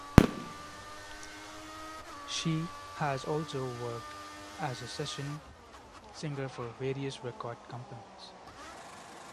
She has also worked as a session singer for various record companies.